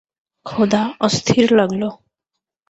খোদা, অস্থির লাগলো।